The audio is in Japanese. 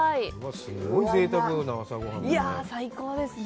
すごいぜいたくな朝ごはんだね。